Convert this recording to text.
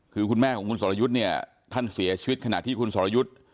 คือคุณแม่ของคุณสรยุทธ์เนี่ยท่านเสียชีวิตขณะที่คุณสรยุทธ์